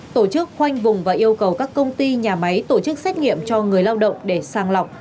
tổ chức khoanh vùng và yêu cầu các công ty nhà máy tổ chức xét nghiệm cho người lao động để sang lọc